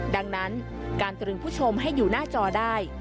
ดังนั้นการตรึงผู้ชมให้อยู่หน้าจอได้